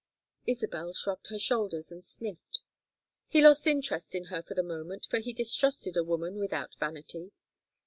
Isabel shrugged her shoulders and sniffed. He lost interest in her for the moment, for he distrusted a woman without vanity.